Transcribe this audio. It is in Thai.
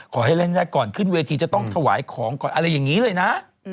ขอให้เล่นได้ก่อนขึ้นเวทีจะต้องถวายของก่อนอะไรอย่างนี้เลยนะ